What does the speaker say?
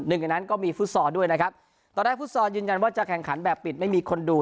หนึ่งในนั้นก็มีฟุตซอลด้วยนะครับตอนแรกฟุตซอลยืนยันว่าจะแข่งขันแบบปิดไม่มีคนดู